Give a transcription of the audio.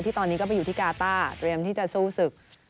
ตอนนี้ก็ไปอยู่ที่กาต้าเตรียมที่จะสู้ศึก